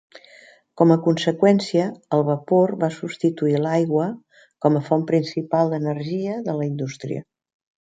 Com a conseqüència, el vapor va substituir l'aigua com a font principal d'energia de la indústria.